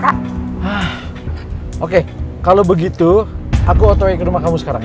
hah oke kalau begitu aku otowik ke rumah kamu sekarang ya